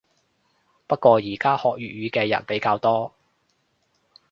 不過依家學粵語嘅人比較多